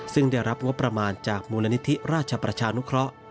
ซึ่งได้รับงบประมาณจากมูลนิธิราชประชานุเคราะห์